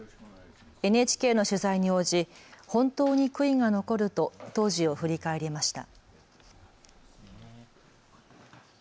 ＮＨＫの取材に応じ本当に悔いが残ると当時を振り返りました。